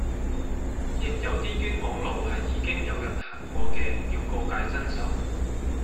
亦有啲冤枉路係已經有人行過嘅要告誡新手